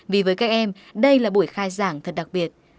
vì với các em đây là buổi khai giảng thật đặc biệt